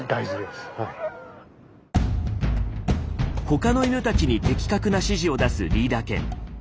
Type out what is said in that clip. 他の犬たちに的確な指示を出すリーダー犬。